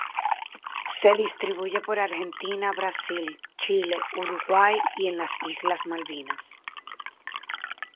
Se distribuye por Argentina, Brasil, Chile, Uruguay y en las Islas Malvinas.